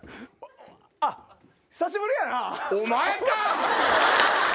あっ久しぶりやな！